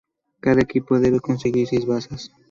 Cada equipo debe conseguir seis bazas.